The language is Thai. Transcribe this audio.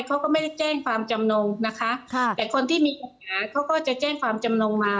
เขาก็ไม่ได้แจ้งความจำนงนะคะค่ะแต่คนที่มีปัญหาเขาก็จะแจ้งความจำนงมา